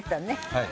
はい。